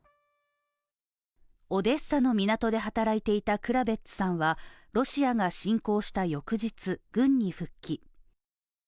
オデッサの港で働いていたクラベッツさんはロシアが侵攻した翌日、軍に復帰。